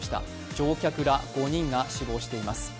乗客ら５人が死亡しています。